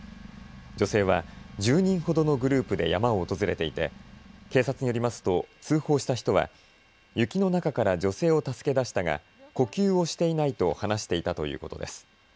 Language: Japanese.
女性は１０人ほどのグループで山を訪れていて警察によりますと通報した人は雪の中から女性を助け出したが呼吸をしていないと話していたということです。